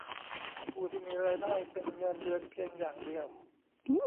ผู้ที่มีรายได้เป็นเงินเดือนเพียงอย่างเดียว